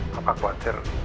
pak aku khawatir